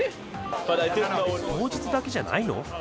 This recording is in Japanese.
当日だけじゃないの？